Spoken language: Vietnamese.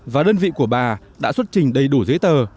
và đơn vị của bà đã xuất trình đầy đủ giấy tờ